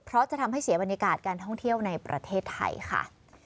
เพราะจะทำให้เสียบรรยากาศการท่องเที่ยวในประเทศไทยค่ะ